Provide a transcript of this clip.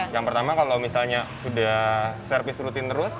yang pertama kalau misalnya sudah servis rutin terus